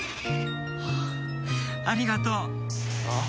ありがとう！あっ？